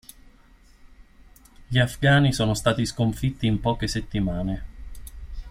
Gli afghani sono stati sconfitti in poche settimane.